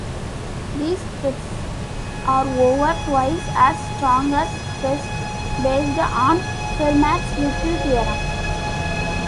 These tests are over twice as strong as tests based on Fermat's little theorem.